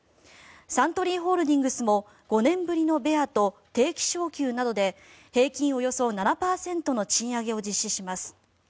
サントリーホールディングスも５年ぶりのベアと定期昇給などで平均およそ７％の賃上げを実施します。